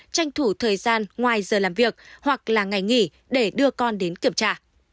tranh thủ thời gian ngoài giờ làm việc hoặc là ngày nghỉ để đưa con đến kiểm tra